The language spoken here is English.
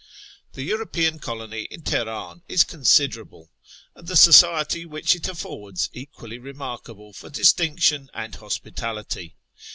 The European colony in Teheran is considerable, and the society which it affords equally remarkable for distinction and hospitality.